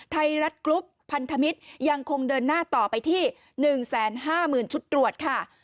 ไทยรัฐกรุ๊ปพันธมิตรยังคงเดินหน้าต่อไปที่หนึ่งแสนห้าหมื่นชุดตรวจค่ะ